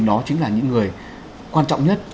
đó chính là những người quan trọng nhất